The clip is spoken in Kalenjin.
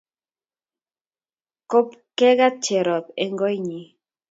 Kop kegat Cherop eng' koinyi